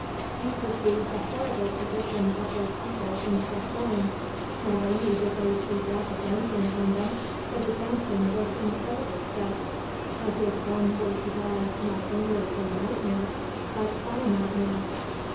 You perceive the horrible position of those people in Treff Loyne; not only did they see death advancing on them, but advancing with incredible steps, as if one were to die not only in nightmare but by nightmare.